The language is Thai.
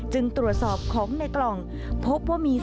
จึงตรวจสอบของในกล่องพบว่ามีแซ่วคอ